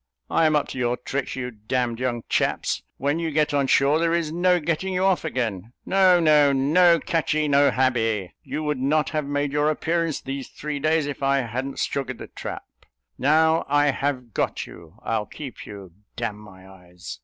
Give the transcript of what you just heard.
I am up to your tricks, you d d young chaps: when you get on shore, there is no getting you off again. No, no; no catchee no habee! You would not have made your appearance these three days, if I hadn't sugared the trap! Now I have got you, I'll keep you, d n my eyes!"